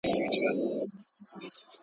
همدغه دروند دغه ستایلی وطن.